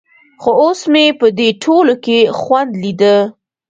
خو اوس مې په دې ټولو کښې خوند ليده.